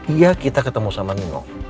iya kita ketemu sama nino